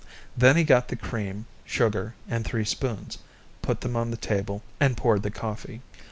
Then he got the cream, sugar and three spoons, put them on the table, and poured the coffee.